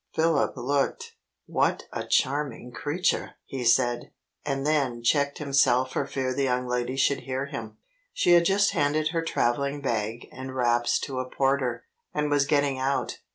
Philip looked. "What a charming creature!" he said, and then checked himself for fear the young lady should hear him. She had just handed her traveling bag and wraps to a porter, and was getting out.